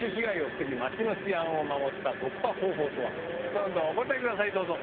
どんどんお答えくださいどうぞ。